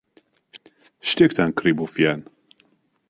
شتێکتان کڕی بۆ ڤیان.